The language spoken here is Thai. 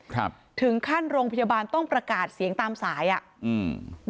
ครับถึงขั้นโรงพยาบาลต้องประกาศเสียงตามสายอ่ะอืม